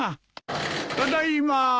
ただいま。